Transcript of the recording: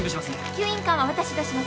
吸引管は私出します